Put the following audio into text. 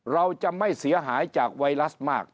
เราจะไม่เสียหายจากไวรัสมาก